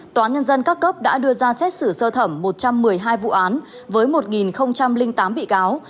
tòa nhân dân các cấp đã đưa ra xét xử sơ thẩm một trăm một mươi hai vụ án với một tám bị cáo